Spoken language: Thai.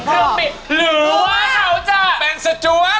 หรือว่าเขาจะเป็นสตรูอาร์ต